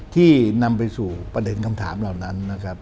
ที่นำไปสู่ประเด็นคำถามเหล่านั้นนะครับ